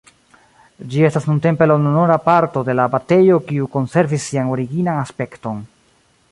Ĝi estas nuntempe la ununura parto de la abatejo kiu konservis sian originan aspekton.